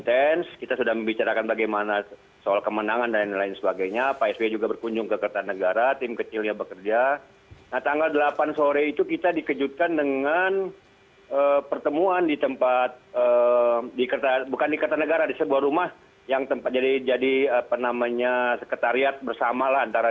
dan sudah tersambung melalui sambungan telepon ada andi arief wasekjen